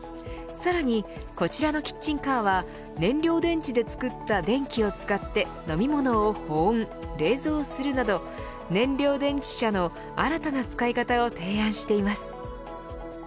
さらにこちらのキッチンカーは燃料電池で作った電気を使って飲み物を保温、冷蔵するなど燃料電池車の新たな使い方を提案しています。